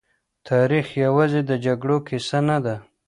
تاريخ يوازې د جګړو کيسه نه ده.